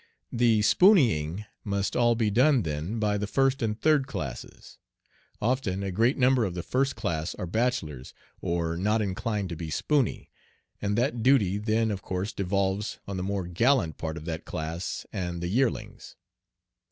The spooneying must all be done, then, by the first and third classes. Often a great number of the first class are bachelors, or not inclined to be spooney; and that duty then of course devolves on the more gallant part of that class and the yearlings.